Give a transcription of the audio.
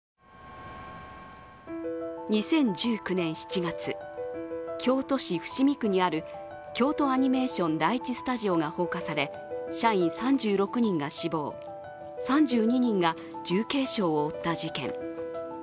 ２０１９年７月、京都市伏見区にある京都アニメーション第１スタジオが放火され社員３６人が死亡、３２人が重軽傷を負った事件。